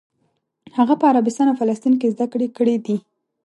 هغه په عربستان او فلسطین کې زده کړې کړې دي.